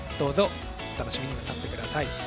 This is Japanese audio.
お楽しみになさってください。